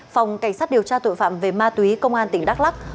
phòng cảnh sát điều tra tội phạm về ma túy công an tỉnh đắk lắc